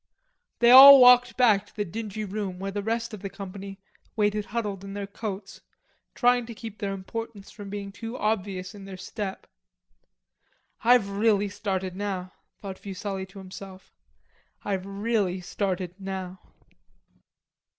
They all walked back to the dingy room where the rest of the company waited huddled in their coats, trying to keep their importance from being too obvious in their step. "I've really started now," thought Fuselli to himself. "I've really started now."